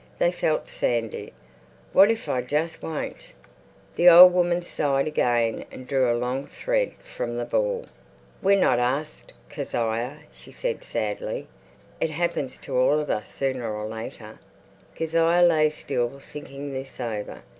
They felt sandy. "What if I just won't?" The old woman sighed again and drew a long thread from the ball. "We're not asked, Kezia," she said sadly. "It happens to all of us sooner or later." Kezia lay still thinking this over.